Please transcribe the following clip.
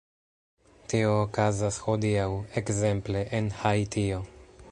Tio okazas hodiaŭ, ekzemple, en Haitio.